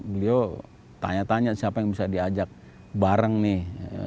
beliau tanya tanya siapa yang bisa diajak bareng nih